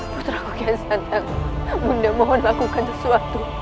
putraku kiansantang bunda mohon lakukan sesuatu